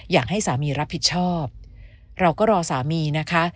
อยากให้สามีรับผิดชอบเราก็รอสามีนะคะ